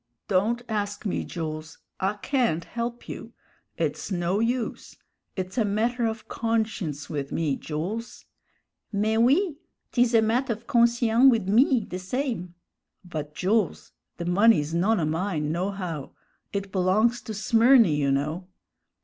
"Don't ask me, Jools, I can't help you. It's no use; it's a matter of conscience with me, Jools." "Mais oui! 'tis a matt' of conscien' wid me, the same." "But, Jools, the money's none o' mine, nohow; it belongs to Smyrny, you know."